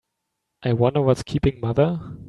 I wonder what's keeping mother?